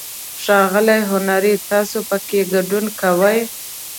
ښاغلی هنري، تاسو پکې ګډون کوئ؟